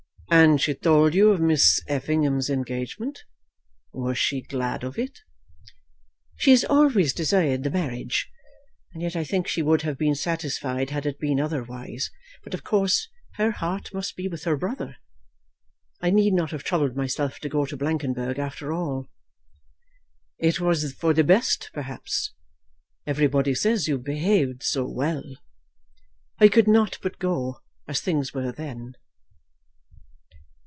"And she told you of Miss Effingham's engagement. Was she glad of it?" "She has always desired the marriage. And yet I think she would have been satisfied had it been otherwise. But of course her heart must be with her brother. I need not have troubled myself to go to Blankenberg after all." "It was for the best, perhaps. Everybody says you behaved so well." "I could not but go, as things were then."